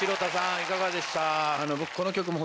いかがでした？